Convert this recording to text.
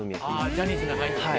ジャニーズの中に入って。